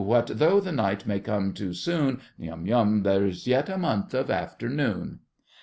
What though the night may come too soon, YUM YUM. There's yet a month of afternoon!